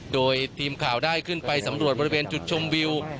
โดยทีมข่าวได้ขึ้นไปสำรวจบริเวณจุดชมวิว